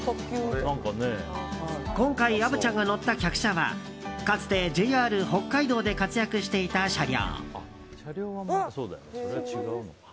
今回虻ちゃんが乗った客車はかつてＪＲ北海道で活躍していた車両。